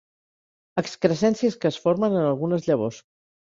Excrescències que es formen en algunes llavors.